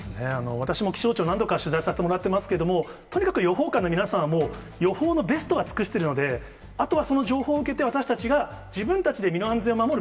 私も気象庁を何度か取材させてもらってますけども、とにかく予報官の皆さんはもう、予報のベストは尽くしているので、あとはその情報を受けて、私たちが自分たちで身の安全を守る